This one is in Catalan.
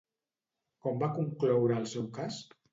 Com va concloure el seu cas?